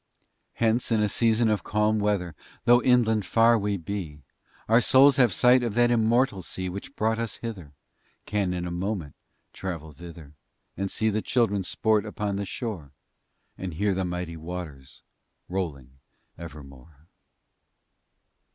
Hence, in a season of calm weather, Though inland far we be, Our Souls have sight of that immortal sea Which brought us hither, Can in a moment travel thither, And see the Children sport upon the shore, And hear the mighty waters rolling evermore.